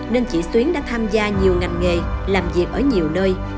nên chị xuyến đã tham gia nhiều ngành nghề làm việc ở nhiều nơi